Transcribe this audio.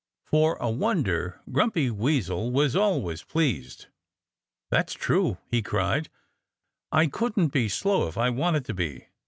For a wonder Grumpy Weasel was almost pleased. "That's true!" he cried. "I couldn't be slow if I wanted to be!"